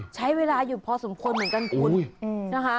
ใช้เวลาอยู่พอสมควรเหมือนกันคุณนะคะ